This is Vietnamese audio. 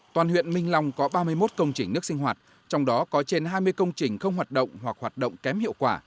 toàn huyện minh long có ba mươi một công trình nước sinh hoạt trong đó có trên hai mươi công trình không hoạt động hoặc hoạt động kém hiệu quả